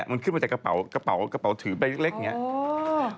มันคือมาจากกระเป๋าถือไปเร็กอย่างนี้